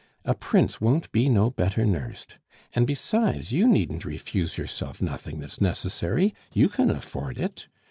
A prince won't be no better nursed... and besides, you needn't refuse yourself nothing that's necessary, you can afford it.